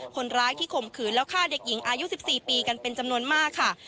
คนร้ายที่ข่มขืนแล้วฆ่าเด็กหญิงอายุ๑๔ปีกันเป็นจำนวนมากค่ะ